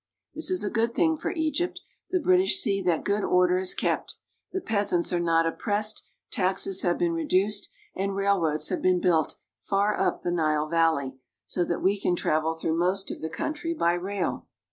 This is a good thing for Egypt. The British see that good order is kept. The peasants are not op pressed, taxes have been reduced, and railroads have been built far up the Nile valley, so that we can travel through most of the country by rail.